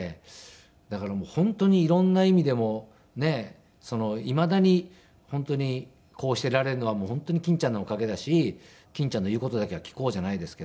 だから本当に色んな意味でもいまだに本当にこうしていられるのは本当に欽ちゃんのおかげだし欽ちゃんの言う事だけは聞こうじゃないですけど。